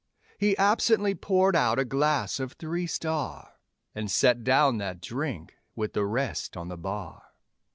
He absently poured out a glass of Three Star. And set down that drink with the rest on the bar.